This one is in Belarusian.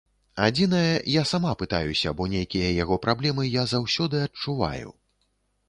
Адзінае, я сама пытаюся, бо нейкія яго праблемы я заўсёды адчуваю.